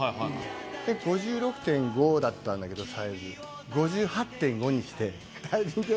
５６．５だったんだけどサイズ５８．５にして。